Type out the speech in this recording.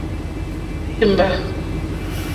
Wěmbà.